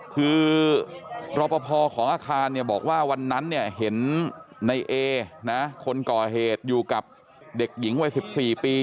คือรอปภของอาคารเนี่ยบอกว่าวันนั้นเนี่ยเห็นในเอนะคนก่อเหตุอยู่กับเด็กหญิงวัย๑๔ปี